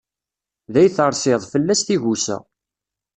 Day teṛṣiḍ, fell-as tigusa.